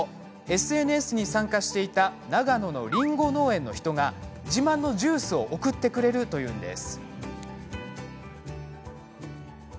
ＳＮＳに参加していた長野のりんご農園の人が自慢のジュースを送ってくれるというんです。